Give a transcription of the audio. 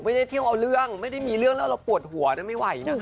เที่ยวเอาเรื่องไม่ได้มีเรื่องแล้วเราปวดหัวไม่ไหวนะ